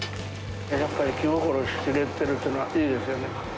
やっぱり気心知れてるっていうのはいいですよね。